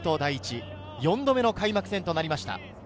４度目の開幕戦となりました。